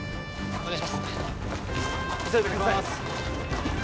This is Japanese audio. ・お願いします。